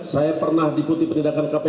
saya pernah diputi penindakan kpk